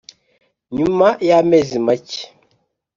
nyuma y'amezi make,